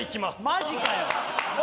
マジかよ！